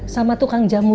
sama tukang jamu